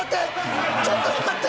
ちょっと待って！